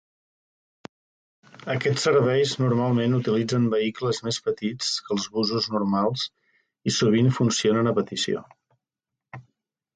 Aquests serveis normalment utilitzen vehicles més petits que els busos normals i sovint funcionen a petició.